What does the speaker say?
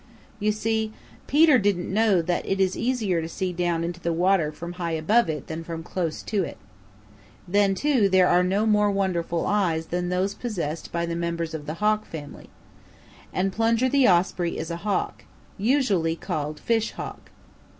You see, Peter didn't know that it is easier to see down into the water from high above it than from close to it. Then, too, there are no more wonderful eyes than those possessed by the members of the Hawk family. And Plunger the Osprey is a Hawk, usually called Fish Hawk.